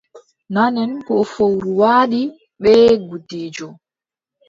Nanen ko fowru waadi bee gudiijo.